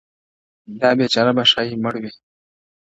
دا بېچاره به ښـايــي مــړ وي،